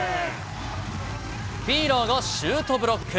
フィーラーがシュートブロック。